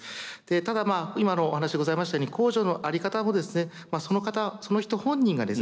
ただまあ今のお話でございましたように公助の在り方もですねその方その人本人がです